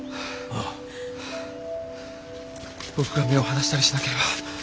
僕が目を離したりしなければ。